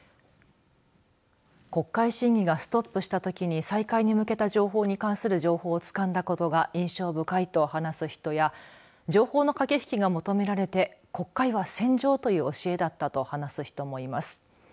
国会審議がストップしたときに再開に向けた情報に関する情報をつかんだことが印象深いと話す人や情報の駆け引きが求められて国会は戦場という教えだったと話す人もいます。